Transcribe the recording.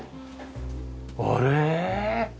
あれ？